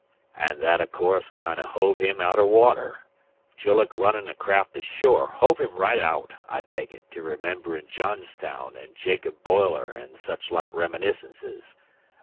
"An' that, o' course, kinder hove him outer water, julluk runnin' a craft ashore; hove him right aout, I take it, to rememberin' Johnstown an' Jacob Boiler an' such like reminiscences.